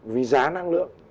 vì giá năng lượng